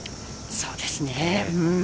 そうですね。